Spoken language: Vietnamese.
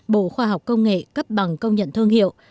bộ khoa học công nghệ cấp bằng công nhận thương hiệu